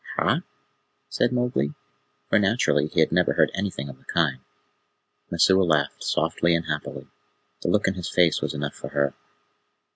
"Hah?" said Mowgli, for naturally he had never heard anything of the kind. Messua laughed softly and happily. The look in his face was enough for her.